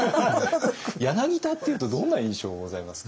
柳田っていうとどんな印象ございますか？